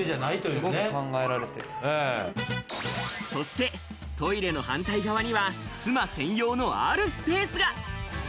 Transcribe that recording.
そしてトイレの反対側には、妻専用のあるスペースが。